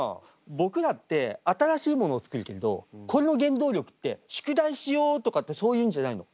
僕らって新しいものを作るけどこれの原動力って宿題しようとかってそういうんじゃないの。